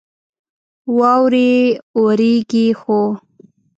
واورې اوريږي ،خو